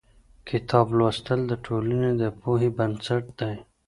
کتاب لوستل د ټولنې د پوهې بنسټ دی.